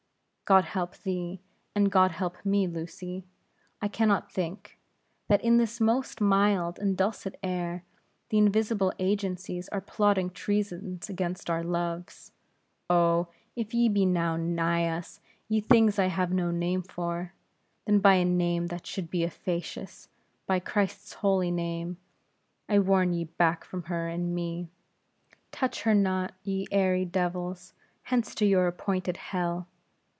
"God help thee, and God help me, Lucy. I can not think, that in this most mild and dulcet air, the invisible agencies are plotting treasons against our loves. Oh! if ye be now nigh us, ye things I have no name for; then by a name that should be efficacious by Christ's holy name, I warn ye back from her and me. Touch her not, ye airy devils; hence to your appointed hell!